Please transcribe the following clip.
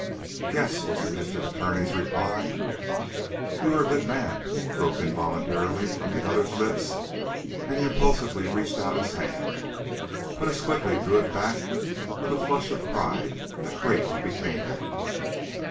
"Yes," was the District Attorney's reply. "You are a good man," broke involuntarily from the other's lips, and he impulsively reached out his hand, but as quickly drew it back with a flush of pride that greatly became him.